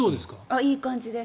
いい感じです。